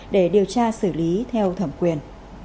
để điều tra xử lý theo thẩm quyền